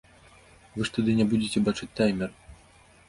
Вы ж тады не будзеце бачыць таймер!